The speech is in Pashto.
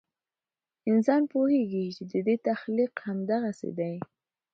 انسان پوهېږي چې د ده تخلیق همدغسې دی.